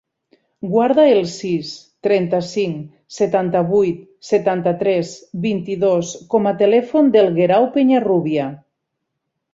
Guarda el sis, trenta-cinc, setanta-vuit, setanta-tres, vint-i-dos com a telèfon del Guerau Peñarrubia.